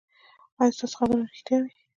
ایا ستاسو خبر به ریښتیا وي؟